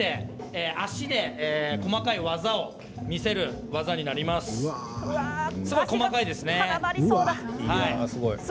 足で細かい技を見せる技です。